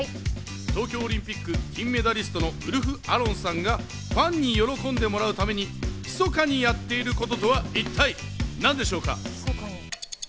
東京オリンピック金メダリストのウルフ・アロンさんがファンに喜んでもらうために、ひそかにやってることとは一体何でしょうか？